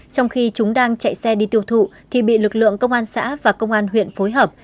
trong khi chúng đang chạy xe đi tiêu thụ thì bị lực lượng công an xã và công an huyện phối hợp